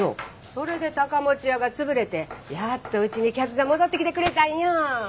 それで高持屋が潰れてやっとうちに客が戻ってきてくれたんよ。